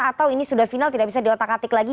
atau ini sudah final tidak bisa diotak atik lagi